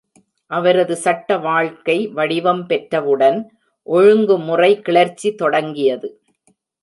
அவரது சட்ட வாழ்க்கை வடிவம் பெற்றவுடன், ஒழுங்குமுறை கிளர்ச்சி தொடங்கியது.